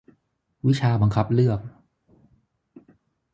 วิชาบังคับเลือก